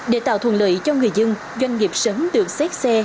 để tạo thuận lợi cho người dân doanh nghiệp sớm được xét xe